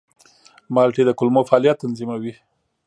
مالټې د کولمو فعالیت تنظیموي.